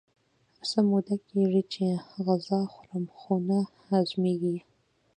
څه موده کېږي چې غذا خورم خو نه هضمېږي.